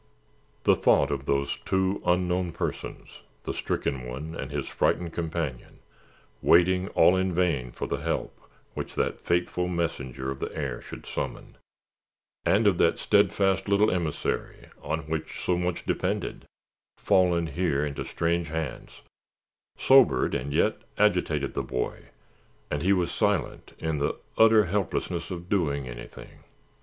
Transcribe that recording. The thought of those two unknown persons, the stricken one and his frightened companion, waiting all in vain for the help which that faithful messenger of the air should summon, and of that steadfast little emissary, on whom so much depended, fallen here into strange hands, sobered and yet agitated the boy, and he was silent in the utter helplessness of doing anything.